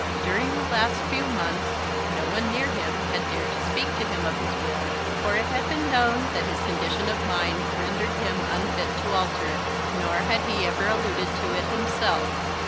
During the last few months no one near him had dared to speak to him of his will, for it had been known that his condition of mind rendered him unfit to alter it; nor had he ever alluded to it himself.